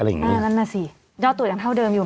อะไรงี้ยอดตรวจกันเท่าเดิมอยู่